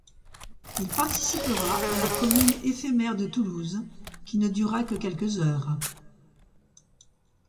Il participera à la Commune éphémère de Toulouse qui ne dura que quelques heures.